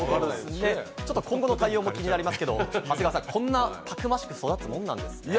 今後の対応も気になりますが、長谷川さん、こんな、たくましく育つもんなんですね。